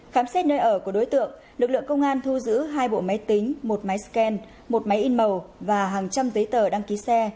khám xét nơi ở của đối tượng lực lượng công an thu giữ hai bộ máy tính một máy scan một máy in màu và hàng trăm giấy tờ đăng ký xe